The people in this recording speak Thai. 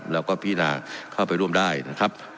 แล้วก็พินาเข้าไปร่วมได้นะครับ